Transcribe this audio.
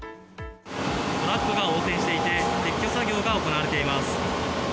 トラックが横転していて撤去作業が行われています。